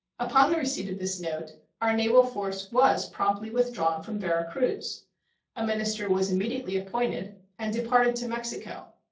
Upon the receipt of this note our naval force was promptly withdrawn from Vera Cruz. A minister was immediately appointed, and departed to Mexico.